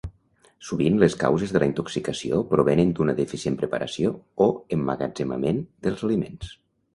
Sovint les causes de la intoxicació provenen d’una deficient preparació o emmagatzemament dels aliments.